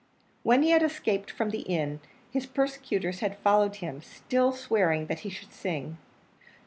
When he had escaped from the inn, his persecutors had followed him, still swearing that he should sing.